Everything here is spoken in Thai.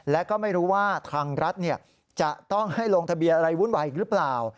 และก็ไม่รู้ว่าทางรัฐจะต้องให้ลงทะเบียนอะไรวุ่นวายอีกหรือเปล่า